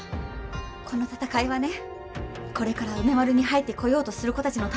この闘いはねこれから梅丸に入ってこようとする子たちのための闘いでもあるの。